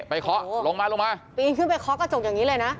เคาะลงมาลงมาปีนขึ้นไปเคาะกระจกอย่างนี้เลยนะ